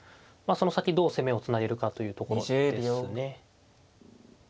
その先どう攻めをつなげるかというところですね。